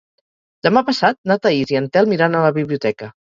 Demà passat na Thaís i en Telm iran a la biblioteca.